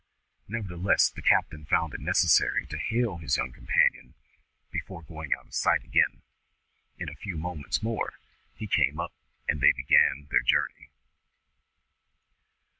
Nevertheless the captain found it necessary to hail his young companion before going out of sight again. In a few moments more he came up and they began their journey.